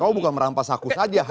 oh bukan merampas aku saja